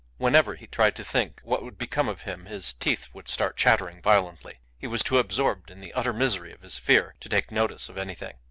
Whenever he tried to think what would become of him his teeth would start chattering violently. He was too absorbed in the utter misery of his fear to take notice of anything.